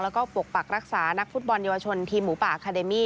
แล้วก็ปกปักรักษานักฟุตบอลเยาวชนทีมหมูป่าอาคาเดมี่